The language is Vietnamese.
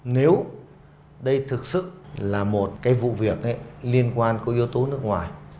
nếu đây thực sự là một cái vụ việc liên quan có yếu tố nước ngoài